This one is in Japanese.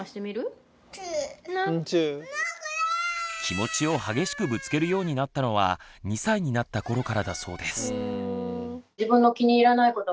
気持ちを激しくぶつけるようになったのは２歳になった頃からだそうです。